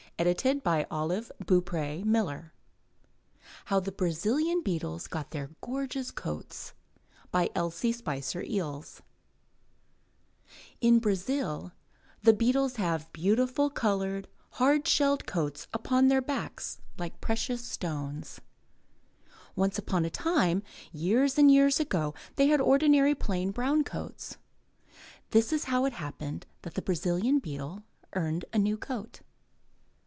127 M Y BOOK HOUSE HOW THE BRAZILIAN BEETLES GOT THEIR GORGEOUS COATS* Elsie Spicer Eells In Brazil the beetles have beautiful, coloured, hard shelled coats upon their backs like precious stones. Once upon a time, years and years ago, they had ordinary plain, brown coats. This is how it happened that the Brazilian beetle earned a new coat.